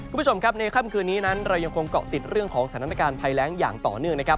คุณผู้ชมครับในค่ำคืนนี้นั้นเรายังคงเกาะติดเรื่องของสถานการณ์ภัยแรงอย่างต่อเนื่องนะครับ